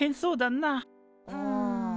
うん。